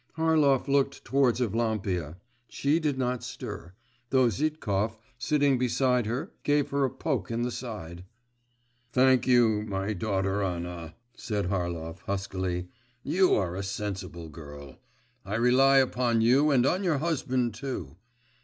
Harlov looked towards Evlampia; she did not stir, though Zhitkov, sitting beside her, gave her a poke in the side. 'Thank you, my daughter Anna,' said Harlov huskily; 'you are a sensible girl; I rely upon you and on your husband too.